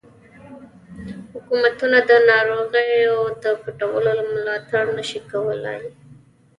حکومتونه د ناغیړیو د پټولو ملاتړ نشي کولای.